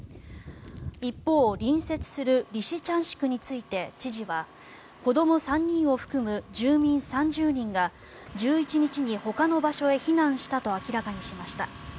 一方、隣接するリシチャンシクについて知事は子ども３人を含む住民３０人が１１日にほかの場所へ避難したと明らかにしました。